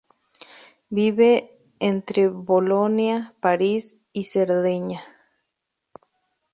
Vive entre Bolonia, París y Cerdeña.